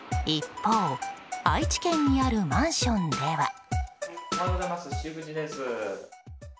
一方、愛知県にあるマンションでは。